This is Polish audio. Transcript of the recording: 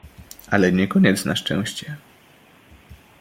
"Ale nie koniec na szczęście!"